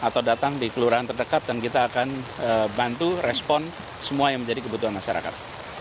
atau datang di kelurahan terdekat dan kita akan bantu respon semua yang menjadi kebutuhan masyarakat